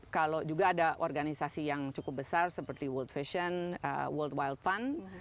kalau juga ada organisasi yang cukup besar seperti world fashion world wild fund